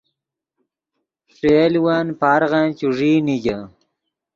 ݰے یولون پارغن چوݱیئی نیگے